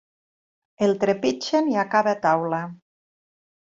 El trepitgen i acaba a taula.